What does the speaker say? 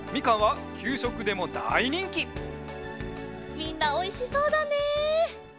みんなおいしそうだね！